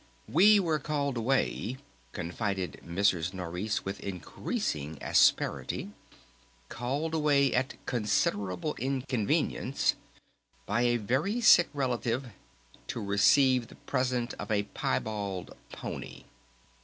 "We were called away," confided Mrs. Nourice with increasing asperity, "called away at considerable inconvenience by a very sick relative to receive the present of a Piebald pony."